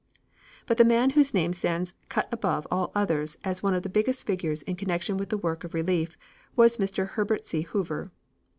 But the man whose name stands cut above all others as one of the biggest figures in connection with the work of relief was Mr. Herbert C. Hoover.